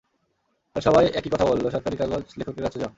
আর সবাই একই কথা বললো, সরকারি কাগজ লেখকের কাছে যাও।